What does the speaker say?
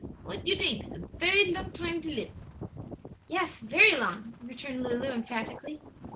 What you dinks? a fery long dime to live?" "Yes; very long," returned Lulu, emphatically.